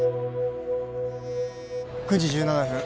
９時１７分